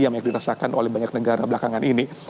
yang dirasakan oleh banyak negara belakangan ini